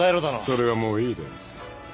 それはもういいです。